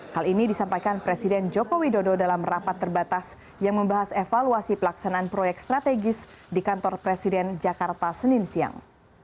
hal ini disampaikan presiden joko widodo dalam rapat terbatas yang membahas evaluasi pelaksanaan proyek strategis di kantor presiden jakarta senin siang